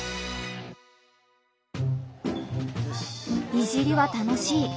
「いじりは楽しい」。